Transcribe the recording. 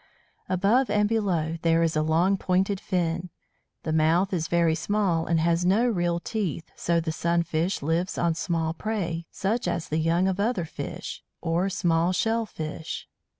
Above and below there is a long pointed fin. The mouth is very small, and has no real teeth; so the Sunfish lives on small prey, such as the young of other fish, or small shell fish.